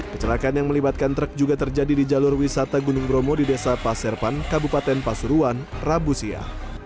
kecelakaan yang melibatkan truk juga terjadi di jalur wisata gunung bromo di desa pasirpan kabupaten pasuruan rabusia